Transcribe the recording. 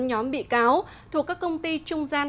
nhóm bị cáo thuộc các công ty trung gian